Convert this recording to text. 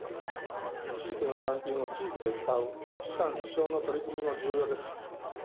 地域の産品を地域で使う地産地消の取り組みも重要です。